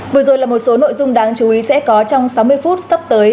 vừa rồi là một số nội dung đáng chú ý sẽ có trong sáu mươi phút sắp tới